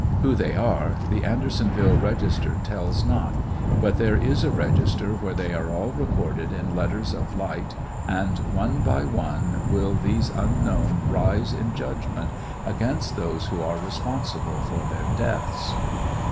Who they are, the Andersonville register tells not, but there is a register where they are all recorded in letters of light, and one by one will these unknown rise in judgment against those who are responsible for their deaths.